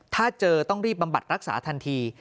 ถ้าเจอต้องรีบบำบัดรักษาทันที